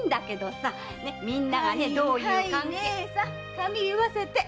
髪結わせて。